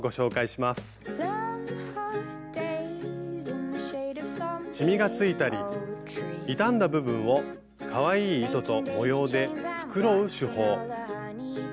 しみがついたり傷んだ部分をかわいい糸と模様で繕う手法。